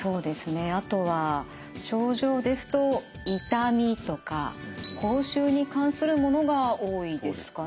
あとは症状ですと「痛み」とか「口臭」に関するものが多いですかね。